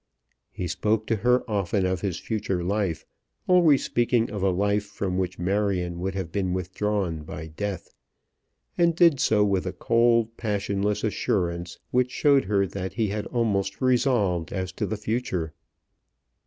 He spoke to her often of his future life, always speaking of a life from which Marion would have been withdrawn by death, and did so with a cold, passionless assurance which showed her that he had almost resolved as to the future.